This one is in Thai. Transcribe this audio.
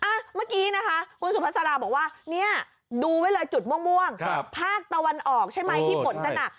อ่ะมักกี้นะคะคุณสุภัสราบอกว่าเนี่ยดูไว้เลยจุดม่วงพากตะวันออกใช่ไหมที่หมดนั่นอ่ะ